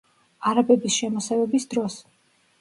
არაბების შემოსევების დროს.